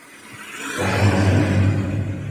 وصل سامي.